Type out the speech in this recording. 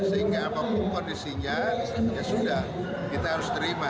sehingga apapun kondisinya ya sudah kita harus terima